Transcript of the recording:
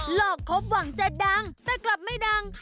หลอกครบหวังจะดังแต่กลับไม่ดัง